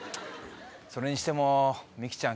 それにしてもミキちゃん